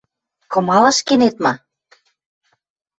— Кымалаш кенет ма?